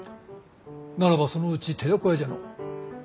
ならばそのうち寺子屋じゃのう。